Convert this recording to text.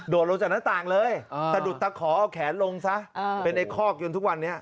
ลงจากหน้าต่างเลยสะดุดตะขอเอาแขนลงซะเป็นไอ้คอกจนทุกวันนี้